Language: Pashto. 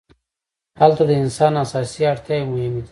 هلته د انسان اساسي اړتیاوې مهمې دي.